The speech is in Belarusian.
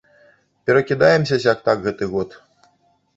Перакідаемся сяк-так гэты год.